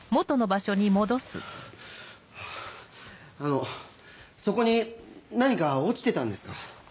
あのそこに何か落ちてたんですか？